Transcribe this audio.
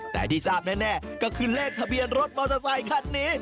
แต่ที่ทราบแน่ก็คือเลขทะเบียนรถมอเตอร์ไซคันนี้